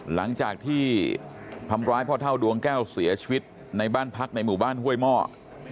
หลังจากที่ทำร้ายพ่อเท่าดวงแก้วเสียชีวิตในบ้านพักในหมู่บ้านห้วยหม้อ